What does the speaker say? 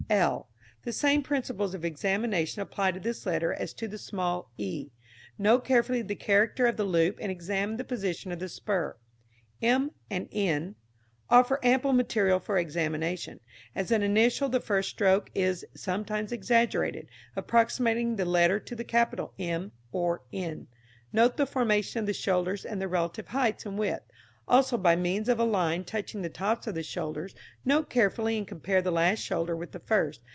l. The same principles of examination apply to this letter as to the small e. Note carefully the character of the loop and examine the position of the spur. m and n offer ample material for examination. As an initial the first stroke is sometimes exaggerated, approximating the letter to the capital M or N. Note the formation of the shoulders and their relative heights and width; also, by means of a line touching the tops of the shoulders, note carefully and compare the last shoulder with the first.